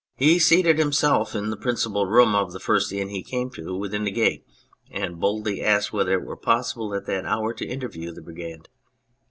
He seated himself in the principal room of the first inn he came to within the gate and boldly asked whether it were possible at that hour to inter view the Brigand.